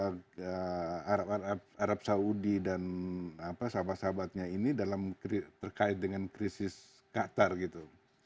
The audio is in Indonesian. terhadap arab saudi dan sahabat sahabatnya ini dalam terkait dengan krisis qatar gitu